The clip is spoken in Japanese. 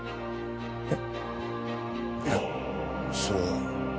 えいやそれは。